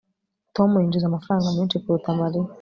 tom yinjiza amafaranga menshi kuruta mariya